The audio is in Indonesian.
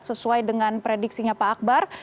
sesuai dengan prediksinya pak akbar